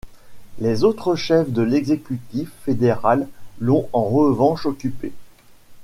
Les autres chefs de l'exécutif fédéral l'ont en revanche occupé.